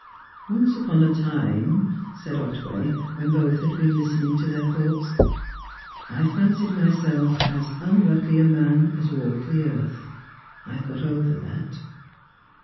"Once upon a time," said Otway, when both had been listening to their thoughts, "I fancied myself as unlucky a man as walked the earth. I've got over that."